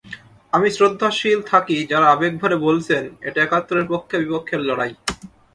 আমি শ্রদ্ধাশীল থাকি যাঁরা আবেগভরে বলছেন, এটা একাত্তরের পক্ষে বিপক্ষের লড়াই।